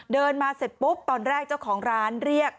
เดินมาเสร็จปุ๊บตอนแรกเจ้าของร้านเรียก